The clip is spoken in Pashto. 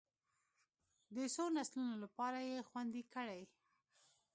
د څو نسلونو لپاره یې خوندي کړي.